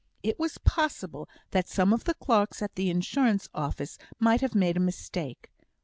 It was possible that some of the clerks at the Insurance Office might have made a mistake.